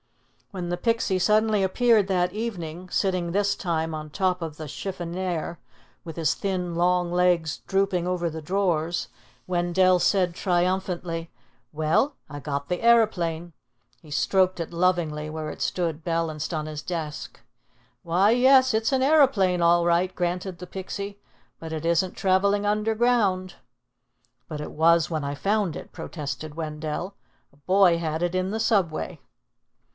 When the Pixie suddenly appeared that evening (sitting this time on top of the chiffonier, with his thin long legs drooping over the drawers), Wendell said triumphantly, "Well, I got the aeroplane." He stroked it lovingly where it stood balanced on his desk. "Why, yes, it's an aeroplane, all right," granted the Pixie; "but it isn't traveling underground." "But it was when I found it," protested Wendell. "A boy had it in the Subway."